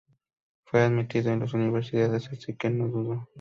Fue admitido en dos universidades así que no dudó.